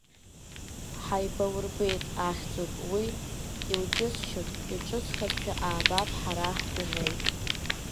Ҳаибаурбеит ахьӡуп уи, иуџьысшьап, иҿыцхазшәа аабап ҳара ҳдунеи…